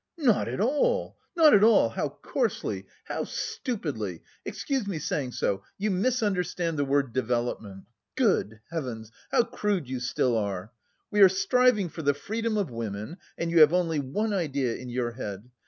"Not at all, not at all! How coarsely, how stupidly excuse me saying so you misunderstand the word development! Good heavens, how... crude you still are! We are striving for the freedom of women and you have only one idea in your head....